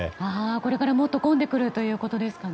これからもっと混んでくるということですね。